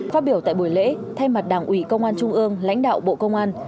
phát biểu tại buổi lễ thay mặt đảng ủy công an trung ương lãnh đạo bộ công an